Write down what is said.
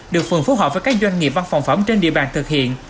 được phường phù hợp với các doanh nghiệp văn phòng phẩm trên địa bàn thực hiện